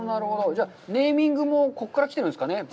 じゃあ、ネーミングもここから来てるんですかね。